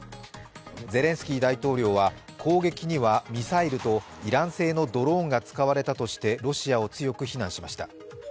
ゼレンスキー大統領は攻撃にはミサイルとイラン製のドローンが使われたとしてロシアを強く非難しました。